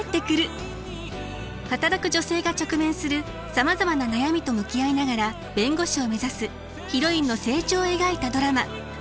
働く女性が直面するさまざまな悩みと向き合いながら弁護士を目指すヒロインの成長を描いたドラマ。